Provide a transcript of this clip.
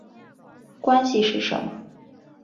关系是什么？